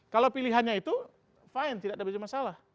kalau pilihannya itu fine tidak ada masalah